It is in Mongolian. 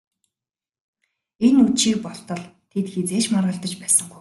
Энэ үдшийг болтол тэд хэзээ ч маргалдаж байсангүй.